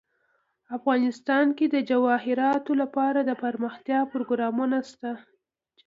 افغانستان کې د جواهرات لپاره دپرمختیا پروګرامونه شته.